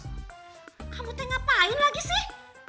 kamu tuh ngapain lagi sih